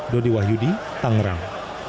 dodi wahyudi tangerang